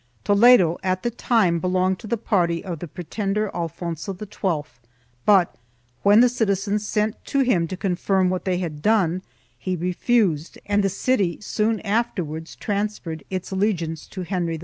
Toledo at the time belonged to the party of the pretender Alfonso XII but, when the citizens sent to him to confirm what they had done, he refused and the city soon afterwards transferred its allegiance to Henry IV.